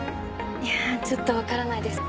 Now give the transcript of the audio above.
いやちょっとわからないです。